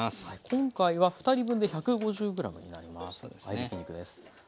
今回は２人分で１５０ｇになります。